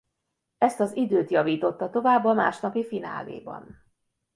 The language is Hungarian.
Ezt az időt javította tovább a másnapi fináléban.